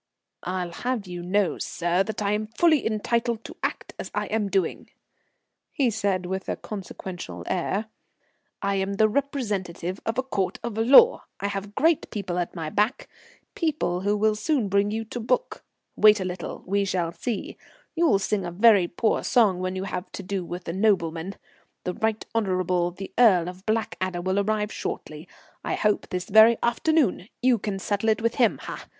"I'll have you to know, sir, that I am fully entitled to act as I am doing," he said with a consequential air. "I am the representative of a court of law; I have great people at my back, people who will soon bring you to book. Wait a little, we shall see. You'll sing a very poor song when you have to do with a nobleman. The Right Honourable the Earl of Blackadder will arrive shortly. I hope this very afternoon. You can settle it with him, ah!